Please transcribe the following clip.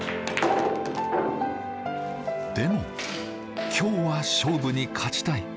でも今日は勝負に勝ちたい。